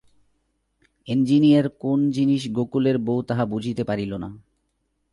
Engineer কোন জিনিস গোকুলের বউ তাহা বুঝিতে পারিল না।